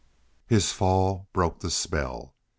His fall broke the spell.